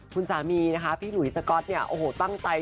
คุณสามีพี่หนุ่ยตั้งใจ